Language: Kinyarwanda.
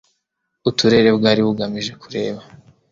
Uturere bwari bugamije kureba